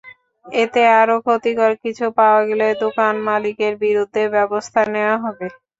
এতে আরও ক্ষতিকর কিছু পাওয়া গেলে দোকান মালিকের বিরুদ্ধে ব্যবস্থা নেওয়া হবে।